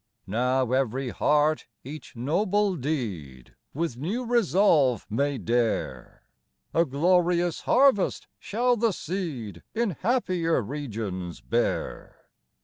Now every heart each noble deed With new resolve may dare ; A glorious harvest shall the seed In happier regions bear.